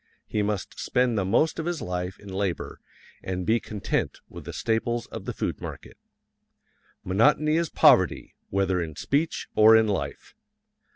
He must spend the most of his life in labor and be content with the staples of the food market. Monotony is poverty, whether in speech or in life.